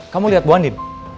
kamu lihat bu andin